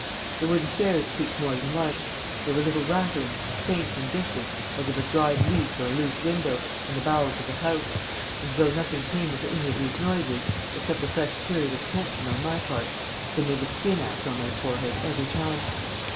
The wooden stairs creaked more than once; there were little rattlings, faint and distant, as of a dried leaf or a loose window, in the bowels of the house; and though nothing came of any of these noises, except a fresh period of tension on my part, they made the skin act on my forehead every time.